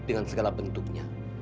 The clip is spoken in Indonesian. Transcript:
dengan segala bentuknya